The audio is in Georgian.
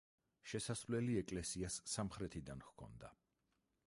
შესასვლელი ეკლესიას სამხრეთიდან ჰქონდა.